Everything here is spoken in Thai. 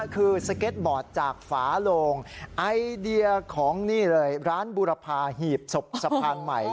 คือสเก็ตบอร์ดจากฝาโลงไอเดียของนี่เลยร้านบุรพาหีบศพสะพานใหม่